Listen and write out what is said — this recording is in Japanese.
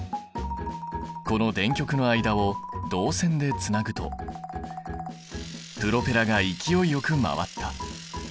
この電極の間を導線でつなぐとプロペラが勢いよく回った。